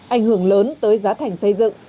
ảnh hưởng lớn tới giá thành xây dựng